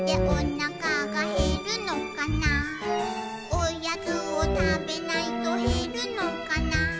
「おやつをたべないとへるのかな」